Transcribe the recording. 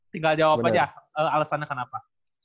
tinggal jawab aja alasannya kenapa